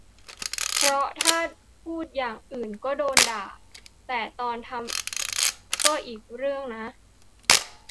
เพราะถ้าพูดอย่างอื่นก็โดนด่า แต่ตอนทำก็อีกเรื่องนะ